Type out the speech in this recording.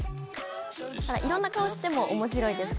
いろんな顔しても面白いです